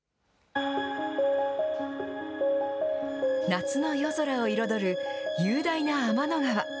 夏の夜空を彩る雄大な天の川。